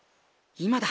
今だ！